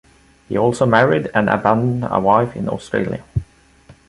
He also married and abandoned a wife in Australia.